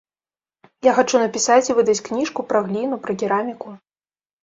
Я хачу напісаць і выдаць кніжку пра гліну, пра кераміку.